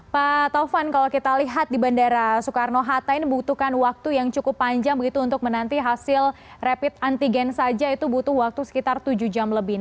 pak taufan kalau kita lihat di bandara soekarno hatta ini butuhkan waktu yang cukup panjang begitu untuk menanti hasil rapid antigen saja itu butuh waktu sekitar tujuh jam lebih